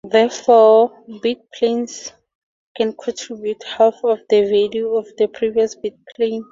Therefore, bit planes can contribute half of the value of the previous bit plane.